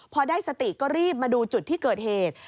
พอได้สติก็รีบมาดูจุดที่เกิดเหตุ